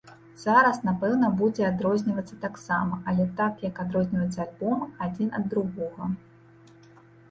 Зараз напэўна будзе адрознівацца таксама, але так, як адрозніваюцца альбомы адзін ад другога.